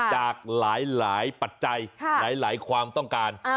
จากหลายปัจจัยหลายความต้องการ